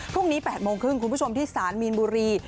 พรุ่งนี้๘โมงครึ่งคุณผู้ชมที่สารมีนบุรี